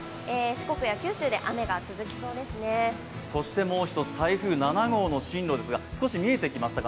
その後もまだもう１つ、台風７号の進路ですが、少し見えてきましたか？